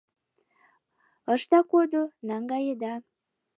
Ышна кодо — наҥгаена.